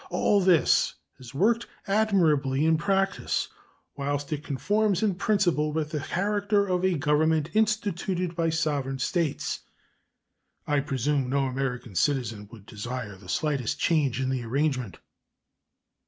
All this has worked admirably in practice, whilst it conforms in principle with the character of a Government instituted by sovereign States. I presume no American citizen would desire the slightest change in the arrangement.